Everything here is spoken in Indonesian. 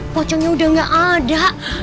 pocongnya udah gak ada